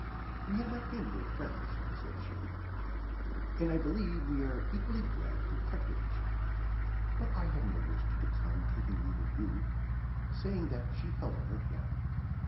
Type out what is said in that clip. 'We have not been good friends,' she said, 'and I believe we are equally glad to part with each other. But I have no wish to decline taking leave of you.' Saying that, she held out her hand.